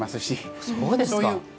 そうですか。